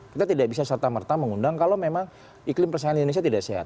kita tidak bisa serta merta mengundang kalau memang iklim persaingan di indonesia tidak sehat